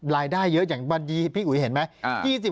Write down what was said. รายได้เยอะอย่างวันนี้พี่อุ๋ยเห็นไหม